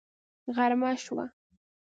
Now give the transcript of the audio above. غرمه شوه